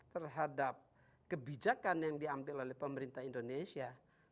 terhadap kebijakan yang diambil oleh pemerintah indonesia